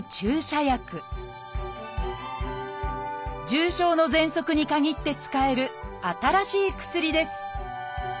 重症のぜんそくに限って使える新しい薬です。